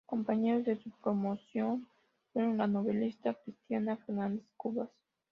Compañeros de su promoción fueron la novelista Cristina Fernández Cubas.